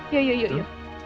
yuk yuk yuk